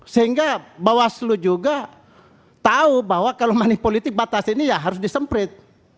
sehingga bawaslu juga tahu bahwa kalau money politik batas ini ya harus disemprit